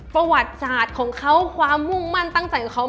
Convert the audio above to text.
ประวัติศาสตร์ของเขาความมุ่งมั่นตั้งใจของเขา